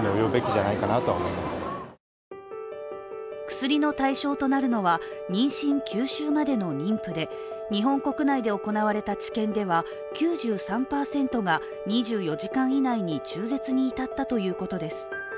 薬の対象となるのは妊娠９週までの妊婦で、日本国内で行われた治験では９３％が２４時間以内に中絶に至ったということです。